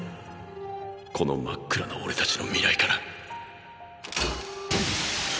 この真っ暗な俺たちの未来から。